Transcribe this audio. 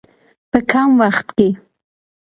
په کم وخت کې.